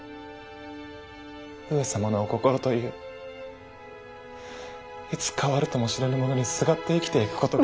上様のお心といういつ変わるともしれぬものにすがって生きていくことが。